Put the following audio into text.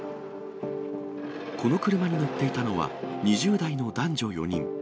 この車に乗っていたのは、２０代の男女４人。